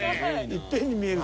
いっぺんに見えるぞ。